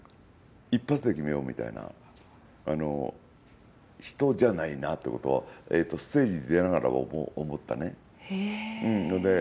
一発で決めようみたいな人じゃないなってことをステージに出ながら思ったね。